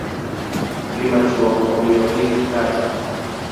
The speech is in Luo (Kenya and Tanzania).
Ngima chuok, omiyo kik ng'ato